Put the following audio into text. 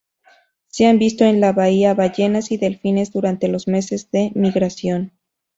Se han visto en la bahía ballenas y delfines durante los meses de migración.